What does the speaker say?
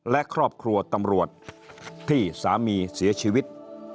และครอบครัวตำรวจที่สามีเสียชีวิต